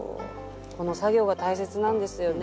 この作業が大切なんですよね。